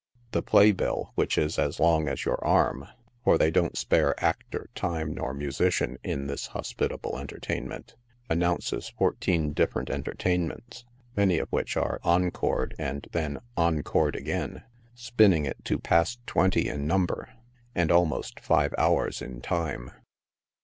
The play bill, which is as long as your arm — for they don't spare actor, time nor musician in this hospitable entertainment — announces fourteen different entertainments, many of which are encored and then encored again, spinning it to past twenty in number, and al most five hours in time.